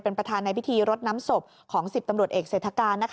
เป็นประธานในพิธีรดน้ำศพของ๑๐ตำรวจเอกเศรษฐการ